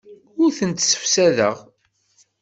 Ur tent-ssefsadeɣ.